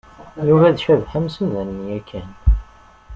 Yuba d Cabḥa msudanen yakan.